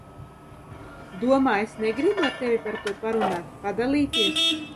Domā, es negribu ar tevi par to parunāt, padalīties?